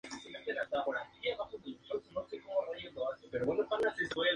Así es que rehusó moverse de Londres, y el gobierno aprobó su conducta.